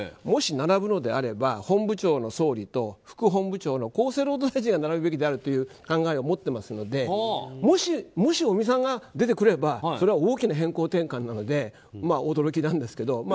もし並ぶのであれば本部長の総理と副本部長の厚生労働大臣が並ぶべきであるという考えを持っていますのでもし尾身さんが出てくれば大きな方向転換なので驚きなんですけど。